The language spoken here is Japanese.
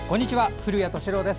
古谷敏郎です。